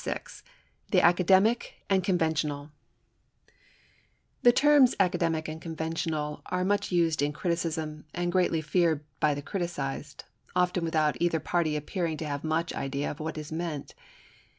VI THE ACADEMIC AND CONVENTIONAL The terms Academic and Conventional are much used in criticism and greatly feared by the criticised, often without either party appearing to have much idea of what is meant.